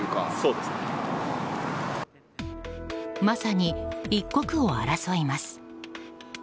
まさに一刻を争います。